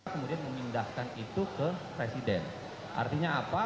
kemudian memindahkan itu ke presiden artinya apa